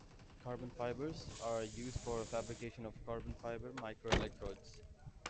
Carbon fibers are used for fabrication of carbon-fiber microelectrodes.